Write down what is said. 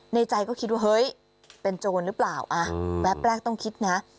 ในใจก็คิดว่าเฮ้ยเป็นโจรหรือเปล่าแวบแรกต้องคิดนะ